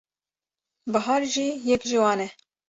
Bihar jî yek ji wan e.